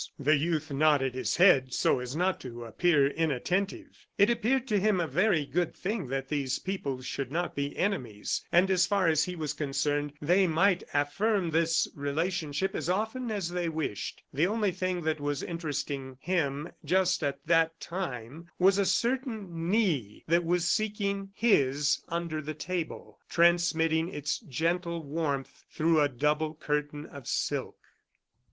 The youth nodded his head so as not to appear inattentive. It appeared to him a very good thing that these peoples should not be enemies, and as far as he was concerned, they might affirm this relationship as often as they wished: the only thing that was interesting him just at that time was a certain knee that was seeking his under the table, transmitting its gentle warmth through a double curtain of silk.